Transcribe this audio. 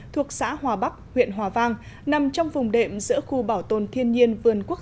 thuộc xã hòa bắc huyện hòa vang nằm trong vùng đệm giữa khu bảo tồn thiên nhiên vườn quốc